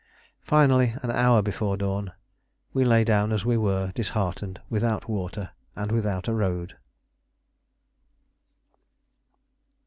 Finally, an hour before dawn, we lay down as we were, disheartened, without water, and without a road.